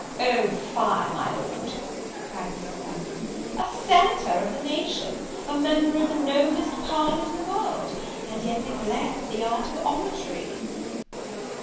"O, fie, my Lord," cried Mrs. Selwyn, "a senator of the nation! a member of the noblest parliament in the world! and yet neglect the art of oratory!"